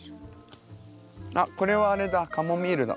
あっこれはあれだカモミールだ。